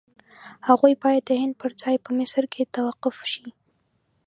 هغوی باید د هند پر ځای په مصر کې توقیف شي.